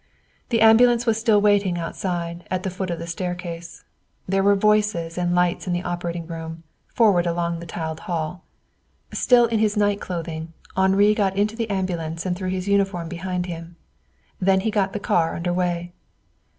The ambulance was still waiting outside, at the foot of the staircase. There were voices and lights in the operating room, forward along the tiled hall. Still in his night clothing, Henri got into the ambulance and threw his uniform behind him. Then he got the car under way.